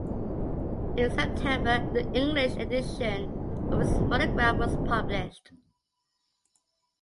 In September the English edition of his monograph was published.